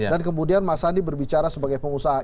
dan kemudian mas anies berbicara sebagai pengusaha